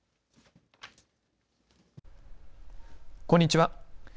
こんにちは。